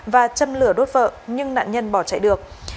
và châm lửa đốt vợ nhưng nạn nhân bỏ chạy được